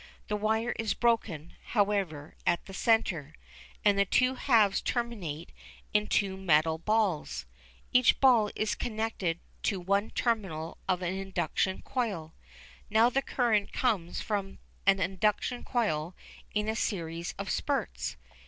The wire is broken, however, at the centre, and the two halves terminate in two metal balls. Each ball is connected to one terminal of an induction coil. Now the current comes from an induction coil in a series of spurts.